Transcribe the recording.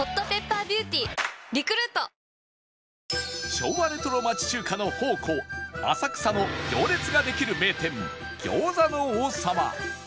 昭和レトロ町中華の宝庫浅草の行列ができる名店餃子の王さま